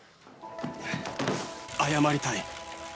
謝りたい